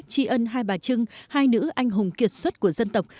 tri ân hai bà trưng hai nữ anh hùng kiệt xuất của dân tộc